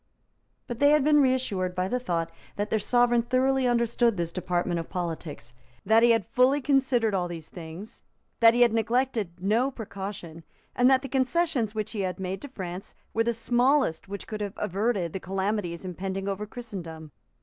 But they had been reassured by the thought that their Sovereign thoroughly understood this department of politics, that he had fully considered all these things, that he had neglected no precaution, and that the concessions which he had made to France were the smallest which could have averted the calamities impending over Christendom.